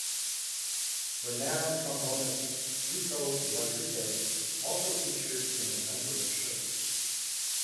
Renowned trombonist Rico Rodriguez also featured in a number of shows.